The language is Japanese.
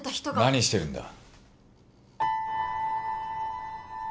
・何してるんだ？